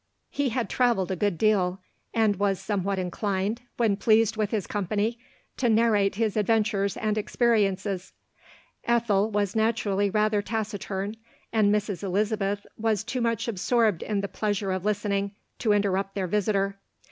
He had travelled a good deal, and was some what inclined, when pleased with his company, to narrate his adventures and experiences. Ethel was naturally rather taciturn ; and Mrs. Eliza beth was too much absorbed in the pleasure of listening, to interrupt their visitor.